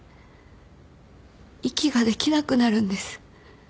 息ができなくなるんです。